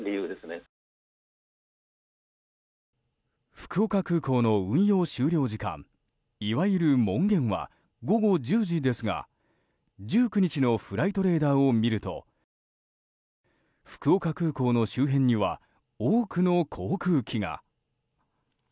福岡空港の運用終了時間いわゆる門限は午後１０時ですが、１９日のフライトレーダーを見ると福岡空港の周辺には多くの航空機が。